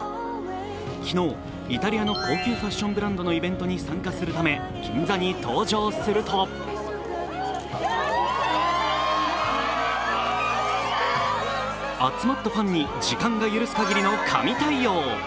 昨日、イタリアの高級ファッションブランドのイベントに参加するため銀座に登場すると集まったファンに時間が許すかぎりの神対応。